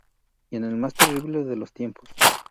Y en el más terrible de los tiempos.